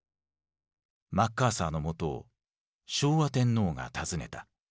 マッカーサーのもとを昭和天皇が訪ねた。